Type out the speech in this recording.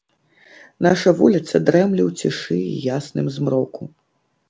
Наша вуліца дрэмле ў цішы і ясным змроку.